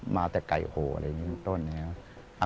มาแต่ไก่โหอะไรอย่างนี้ต้นนี้ครับ